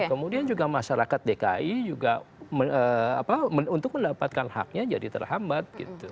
kemudian juga masyarakat dki juga untuk mendapatkan haknya jadi terhambat